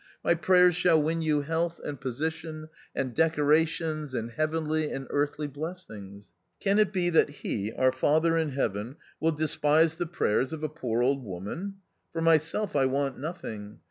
My prayers shall win you health and position and decorations and heavenly and earthly blessings. Can it be that He, our Father in Heaven, will despise the prayers of a poor old woman ? For myself I want nothing.